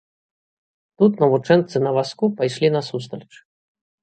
Тут навучэнцы на вазку пайшлі насустрач.